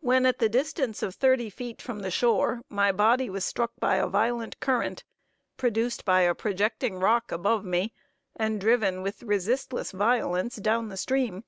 When at the distance of thirty feet from the shore, my body was struck by a violent current, produced by a projecting rock above me, and driven with resistless violence down the stream.